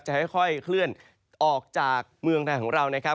ค่อยเคลื่อนออกจากเมืองไทยของเรานะครับ